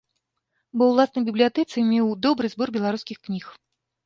Ва ўласнай бібліятэцы меў добры збор беларускіх кніг.